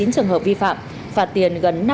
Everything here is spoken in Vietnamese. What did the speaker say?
một mươi chín trường hợp vi phạm phạt tiền gần